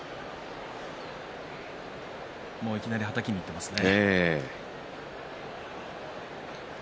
いきなりはたきにいってますね。